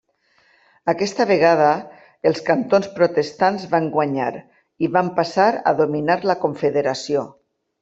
Aquesta vegada els cantons protestants van guanyar i van passar a dominar la Confederació.